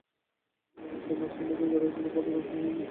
তবে সম্পর্কের গ্যাঁড়াকলে পরে ধ্বংস হয়ো না।